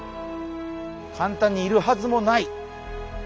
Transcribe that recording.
簡単にいるはずもない。